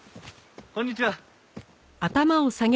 こんにちは。